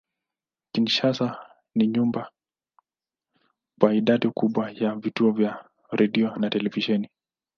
Kinshasa ni nyumbani kwa idadi kubwa ya vituo vya redio na televisheni.